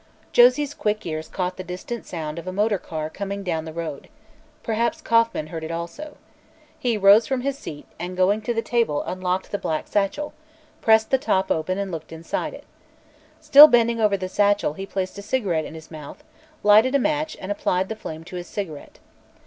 Josie's quick ears caught the distant sound of a motor car coming down the road. Perhaps Kauffman heard it also. He rose from his seat and going to the table unlocked the black satchel, pressed the top open and looked inside it. Still bending over the satchel he placed a cigarette in his mouth, lighted a match and applied the flame to his cigarette.